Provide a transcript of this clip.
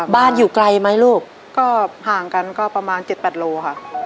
อยู่ไกลไหมลูกก็ห่างกันก็ประมาณ๗๘โลค่ะ